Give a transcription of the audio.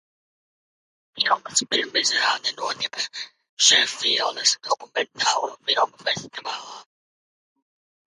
Filmas pirmizrāde notika Šefīldas dokumentālo filmu festivālā.